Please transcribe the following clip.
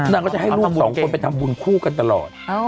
นางก็จะให้ลูกสองคนไปทำบุญคู่กันตลอด